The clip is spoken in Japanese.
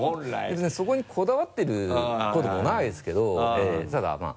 別にそこにこだわってることもないですけどえぇただまぁ。